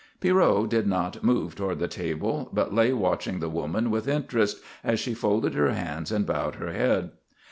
Pierrot did not move toward the table, but lay watching the woman with interest as she folded her hands and bowed her head.